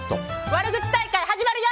悪口大会、始まるよ！